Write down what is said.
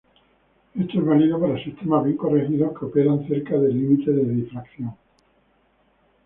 Esto es válido para sistemas bien corregidos que operan cerca del límite de difracción.